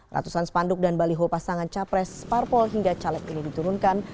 ratusan spanduk dan baliho pasangan capres parpol hingga caleg ini diturunkan